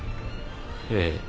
ええ。